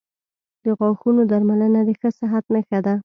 • د غاښونو درملنه د ښه صحت نښه ده.